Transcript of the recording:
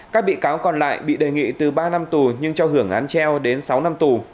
các bị cáo còn lại bị đề nghị từ ba năm tù nhưng cho hưởng án treo đến sáu năm tù